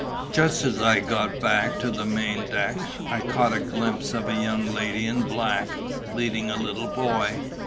Just as I got back to the main deck, I caught a glimpse of a young lady in black, leading a little boy.